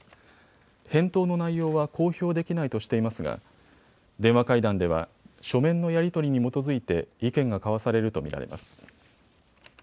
返答の内容は公表できないとしていますが電話会談では書面のやり取りに基づいて意見が交わされると見られます。